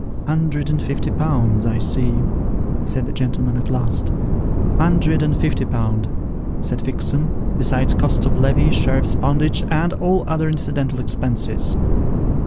' Hundred and fifty pounds, I see,' said the gentleman at last. ' Hundred and fifty pound,' said Fixem, ' besides cost of levy, sheriff's poundage, and all other incidental expenses.'